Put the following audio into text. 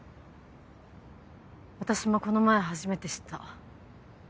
私もこの前初めて知った。